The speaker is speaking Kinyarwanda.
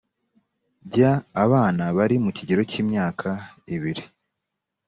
bya abana bari mu kigero cy imyaka ibiri